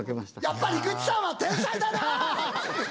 やっぱりグッチさんは天才だな！